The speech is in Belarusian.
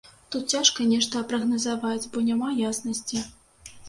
Тут цяжка нешта прагназаваць, бо няма яснасці.